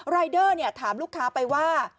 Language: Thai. รายเดอร์ถามลูกค้าไปว่า